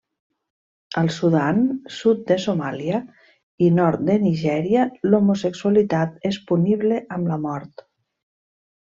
Al Sudan, sud de Somàlia i nord de Nigèria, l'homosexualitat és punible amb la mort.